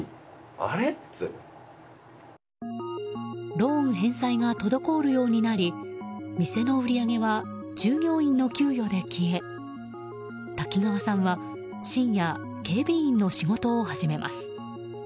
ローン返済が滞るようになり店の売り上げは従業員の給与で消え滝川さんは深夜警備員の仕事を始めます。